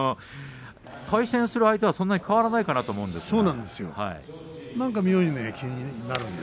対戦する相手はそんなに変わらないかなと思うんですけれど。